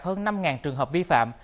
hơn năm trường hợp vi phạm